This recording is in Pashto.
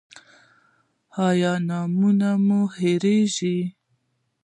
ایا نومونه مو هیریږي؟